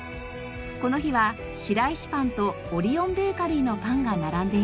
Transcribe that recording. この日はシライシパンとオリオンベーカリーのパンが並んでいました。